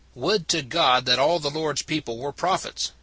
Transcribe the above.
" Would to God that all the Lord s peo ple were prophets